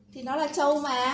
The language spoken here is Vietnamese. thì nó là châu mà